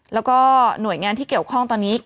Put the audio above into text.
แล้วก็หน่วยงานที่เกี่ยวข้องตอนนี้